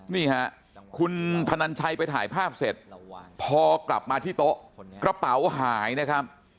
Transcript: นี่ฮะคุณธนันชัยไปถ่ายภาพเสร็จพอกลับมาที่โต๊ะกระเป๋าหายนะครับ